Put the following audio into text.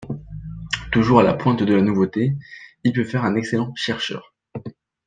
Toujours à la pointe de la nouveauté, il peut faire un excellent chercheur.